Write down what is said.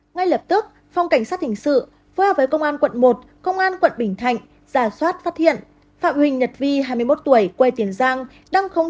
ngay lập tức phòng cảnh sát hình sự phối hợp với công an quận một công an quận bình thạnh giả soát phát hiện phạm huỳnh nhật vi hai mươi một tuổi quê tiền giang